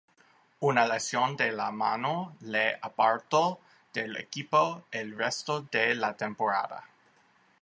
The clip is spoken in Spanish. Una lesión en la mano le apartó del equipo el resto de la temporada.